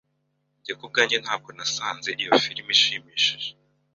Njye kubwanjye ntabwo nasanze iyo firime ishimishije.